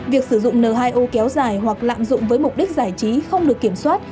việc sử dụng n hai o kéo dài hoặc lạm dụng với mục đích giải trí không được kiểm soát